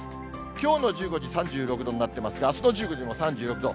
きょうの１５時、３６度になってますが、あすの１５時も３６度。